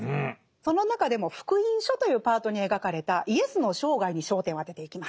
その中でも「福音書」というパートに描かれたイエスの生涯に焦点を当てていきます。